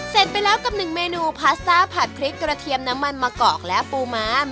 เสร็จไปแล้วกับหนึ่งเมนูพาสต้าผัดพริกกระเทียมน้ำมันมะกอกและปูม้าม